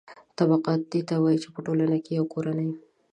طبقاتیت دې ته وايي چې په ټولنه کې یوه کورنۍ